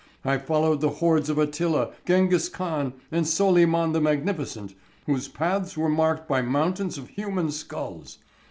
I followed the hordes of Attila, Genghis Khan, and Solyman the Magnificent, whose paths were marked by mountains of human skulls.